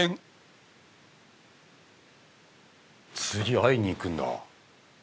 次会いに行くんだ。